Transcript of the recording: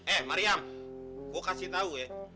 eh mariam gue kasih tau ya